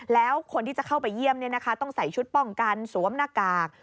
แล้วคนที่จะเข้าไปเยี่ยมต้องใส่ชุดป้องกันสวมหน้ากาก